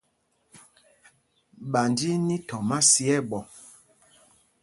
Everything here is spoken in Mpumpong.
Ɓanj í í ní tombá sī ɛɓɔ.